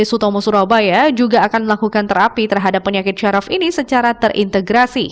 sutomo surabaya juga akan melakukan terapi terhadap penyakit syaraf ini secara terintegrasi